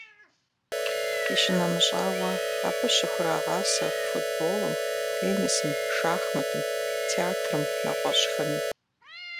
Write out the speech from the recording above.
Къищынэмыщӏауэ, абы щыхурагъасэ футболым, теннисым, шахматым, театрым нэгъуэщӏхэми.